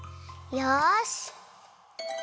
よし！